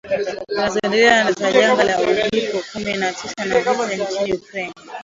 zinazoendelea za janga la uviko kumi na tisa na vita nchini Ukraine